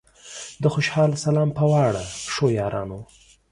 د خوشال سلام پۀ واړه ښو یارانو